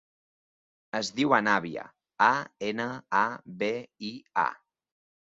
Es diu Anabia: a, ena, a, be, i, a.